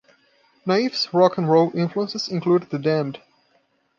Naiff's rock and roll influences include The Damned.